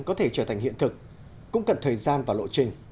có thể trở thành hiện thực cũng cần thời gian và lộ trình